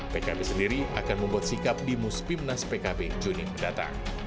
pkb sendiri akan membuat sikap di muspimnas pkb juni mendatang